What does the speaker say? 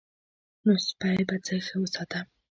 نو سپی به څه ښه وساتم.